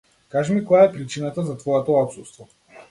Кажи ми која е причината за твоето отсуство.